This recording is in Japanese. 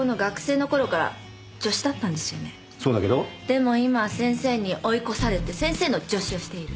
でも今は先生に追い越されて先生の助手をしている。